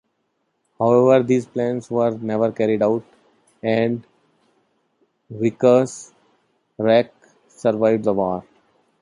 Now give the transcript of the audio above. However, these plans were never carried out, and "Wicher"s wreck survived the war.